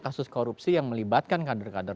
kasus korupsi yang melibatkan kader kader